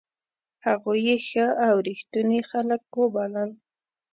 هغوی یې ښه او ریښتوني خلک وبلل.